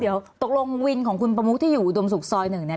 เดี๋ยวตกลงวินของคุณประมุกที่อยู่อุดมศุกร์ซอยหนึ่งเนี่ย